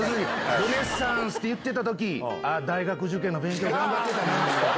ルネッサンスって言ってたとき、大学受験の勉強頑張ってたな。